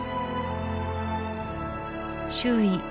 周囲